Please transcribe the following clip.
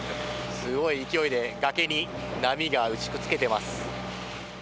すごい勢いで崖に波が打ちつけています。